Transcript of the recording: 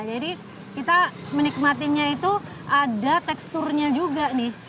kita menikmatinya itu ada teksturnya juga nih